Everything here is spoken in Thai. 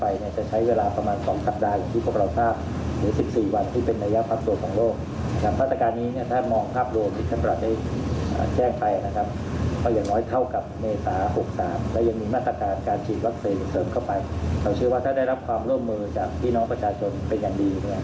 เราเชื่อว่าถ้าได้รับความร่วมมือจากพี่น้องประชาชนเป็นอย่างดีเนี่ย